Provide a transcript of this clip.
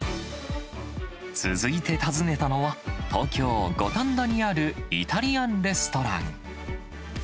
続いて訪ねたのは、東京・五反田にあるイタリアンレストラン。